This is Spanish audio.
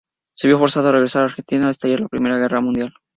Se vio forzado a regresar a Argentina al estallar la Primera Guerra Mundial.